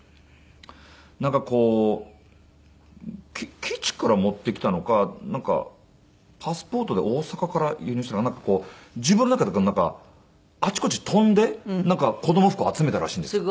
なんかこう基地から持ってきたのかなんかパスポートで大阪から輸入したのかなんかこう自分らでなんかあちこち飛んで子供服を集めたらしいんですよ。